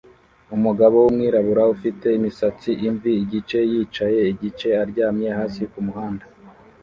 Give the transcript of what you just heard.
Umugabo wumwirabura ufite imisatsi imvi igice yicaye igice aryamye hasi kumuhanda